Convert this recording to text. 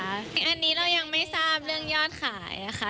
อันนี้เรายังไม่ทราบเรื่องยอดขายค่ะ